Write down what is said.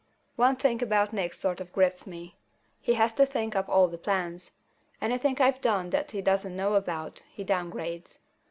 One thing about Nick sort of gripes me. He has to think up all the plans. Anything I've done that he doesn't know about, he downgrades.